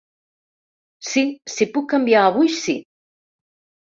Si, si puc canviar avui si.